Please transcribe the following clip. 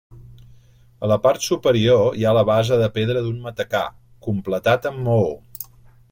A la part superior hi ha la base de pedra d'un matacà, completat amb maó.